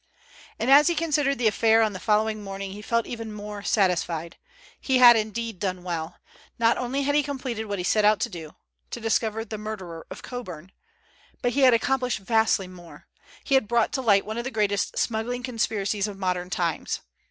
And as he considered the affair on the following morning he felt even more satisfied. He had indeed done well! Not only had he completed what he set out to do—to discover the murderer of Coburn—but he had accomplished vastly more. He had brought to light one of the greatest smuggling conspiracies of modern times.